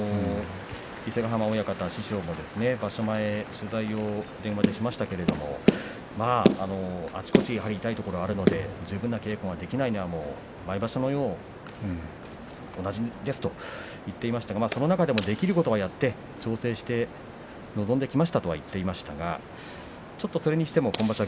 伊勢ヶ濱親方、師匠も場所前、取材を電話でしましたけれども足腰、痛いところはあるので十分な稽古ができないのは毎場所おなじみですと言っていましたがその中でもできることをやって調整して臨んできましたとは言っていましたがそれにしても今場所